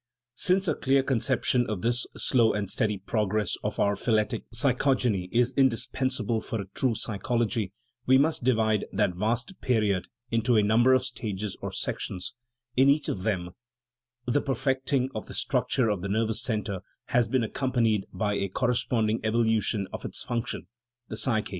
Since a clear conception of this slow and steady progress of our phyletic psychogeny is indispensable for a true psychology, we must divide that vast period into a number of stages or sections : in each of them the per fecting of the structure of the nervous centre has been accompanied by a corresponding evolution of its func tion, the psyche.